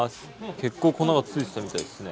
結構粉が付いてたみたいですね。